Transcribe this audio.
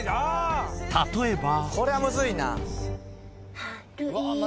例えば］